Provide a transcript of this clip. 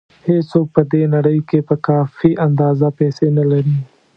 هېڅوک په دې نړۍ کې په کافي اندازه پیسې نه لري.